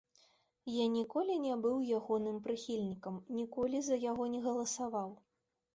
Я ніколі не быў ягоным прыхільнікам, ніколі за яго не галасаваў.